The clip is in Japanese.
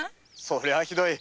そりゃひどい。